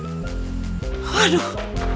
hah hah hah